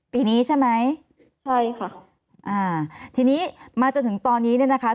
ปีนี้ใช่ไหมใช่ค่ะอ่าทีนี้มาจนถึงตอนนี้เนี่ยนะคะ